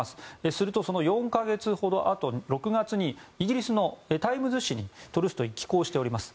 すると、その４か月ほどあとの６月にイギリスのタイムズ紙にトルストイは寄稿しています。